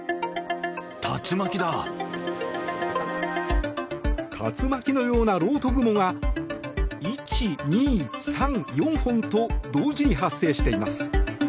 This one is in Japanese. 竜巻のような漏斗雲が１、２、３、４本と同時に発生しています。